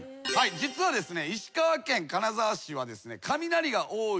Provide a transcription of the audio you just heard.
実はですね。